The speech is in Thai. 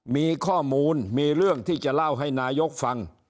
มีข้อมูลมีเรื่องที่จะเล่าให้นายกฟัง